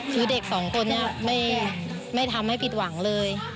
คือเด็กสองคนนี้ไม่ทำให้ผิดหวังเลย